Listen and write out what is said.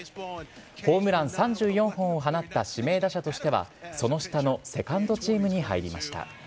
ホームラン３４本を放った指名打者としては、その下のセカンドチームに入りました。